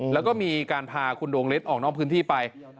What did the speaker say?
แล้วก็มีการพาคุณดวงฤทธิออกนอกพื้นที่ไป